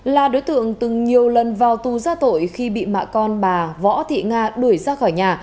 là đối tượng từng nhiều lần vào tù ra tội khi bị mẹ con bà võ thị nga đuổi ra khỏi nhà